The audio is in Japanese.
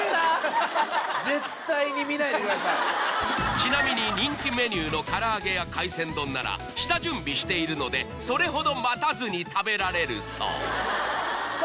ちなみに人気メニューの唐揚げや海鮮丼なら下準備しているのでそれほど待たずに食べられるそうさあ